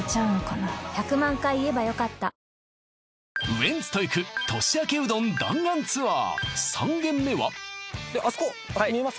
ウエンツといく年明けうどん弾丸ツアー３軒目はあそこ見えます？